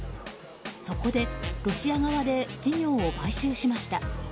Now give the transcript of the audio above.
そこで、ロシア側で事業を買収しました。